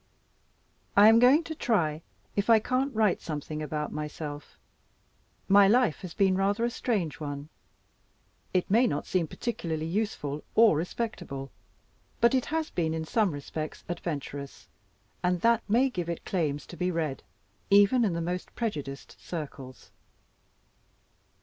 I AM going to try if I can't write something about myself. My life has been rather a strange one. It may not seem particularly useful or respectable; but it has been, in some respects, adventurous; and that may give it claims to be read, even in the most prejudiced circles.